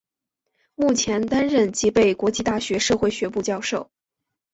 目前担任吉备国际大学社会学部教授。